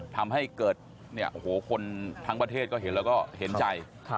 ทำให้เกิดคนทั้งประเทศก็เห็นแล้วเห็นใจ